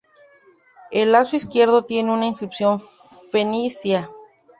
El lado izquierdo tiene una inscripción fenicia.